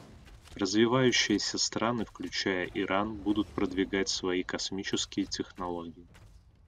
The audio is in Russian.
Развивающиеся страны, включая Иран, будут продвигать свои космические технологии.